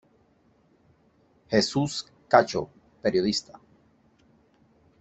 Jesús Cacho, periodista.